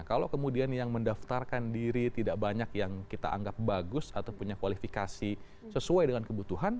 kalau kemudian yang mendaftarkan diri tidak banyak yang kita anggap bagus atau punya kualifikasi sesuai dengan kebutuhan